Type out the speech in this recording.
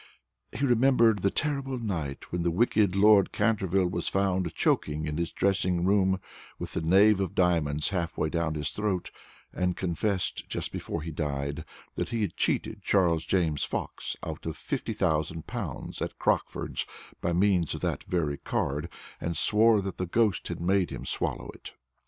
He remembered the terrible night when the wicked Lord Canterville was found choking in his dressing room, with the knave of diamonds halfway down his throat, and confessed, just before he died, that he had cheated Charles James Fox out of £50,000 at Crockford's by means of that very card, and swore that the ghost had made him swallow it.